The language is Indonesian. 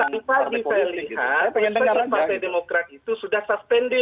saya lihat partai demokrat itu sudah suspended